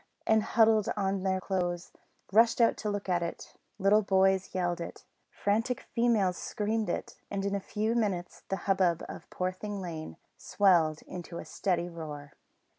and, huddling on their clothes, rushed out to look at it; little boys yelled it; frantic females screamed it, and in a few minutes the hubbub in Poorthing Lane swelled into a steady roar.